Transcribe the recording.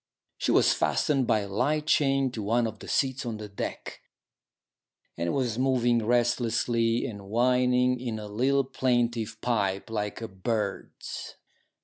She was fastened by a light chain to one of the seats on deck, and was moving restlessly and whining in a little plaintive pipe like a bird's.